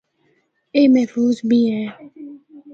اے محفوظ بھی اے۔